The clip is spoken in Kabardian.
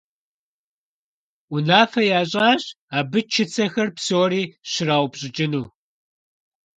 Унафэ ящӀащ абы чыцэхэр псори щраупщӀыкӀыну.